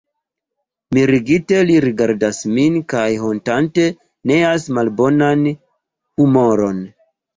Mirigite li rigardas min kaj hontante neas malbonan humoron.